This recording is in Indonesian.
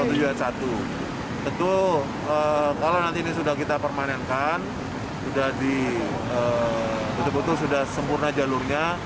tentu kalau nanti ini sudah kita permanenkan sudah di betul betul sudah sempurna jalurnya